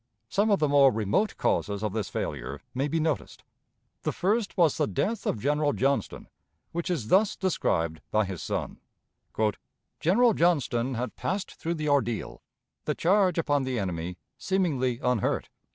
Some of the more remote causes of this failure may be noticed. The first was the death of General Johnston, which is thus described by his son: "General Johnston had passed through the ordeal (the charge upon the enemy) seemingly unhurt.